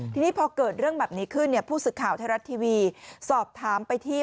ทีนี้พอเกิดเรื่องแบบนี้ขึ้นเนี่ยผู้สื่อข่าวไทยรัฐทีวีสอบถามไปที่